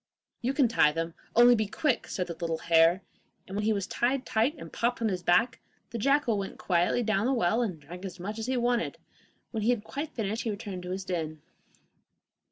'You can tie them, only be quick,' said the little hare, and when he was tied tight and popped on his back, the jackal went quietly down to the well, and drank as much as he wanted. When he had quite finished he returned to his den.